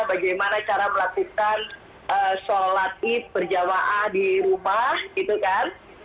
bagaimana cara melakukan sholat id berjamaah di rumah gitu kan